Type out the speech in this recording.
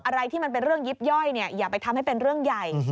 อะไรที่มันเป็นเรื่องยิบย่อยอย่าไปทำให้เป็นเรื่องใหญ่